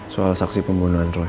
soal saksi pembunuhan roy